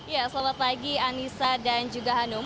ya selamat pagi anissa dan juga hanum